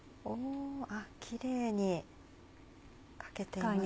あっキレイに描けていますね。